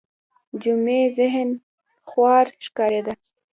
جمعي ذهن خوار ښکارېده